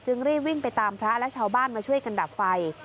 รีบวิ่งไปตามพระและชาวบ้านมาช่วยกันดับไฟ